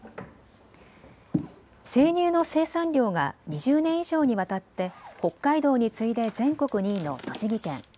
生乳の生産量が２０年以上にわたって北海道に次いで全国２位の栃木県。